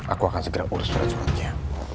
aku akan segera uruskan suratnya